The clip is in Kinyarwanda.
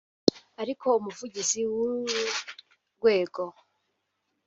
ariko umuvugizi w’uru rwego